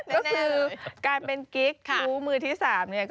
ก็คือการเป็นกิ๊กชู้มือที่๓เนี่ย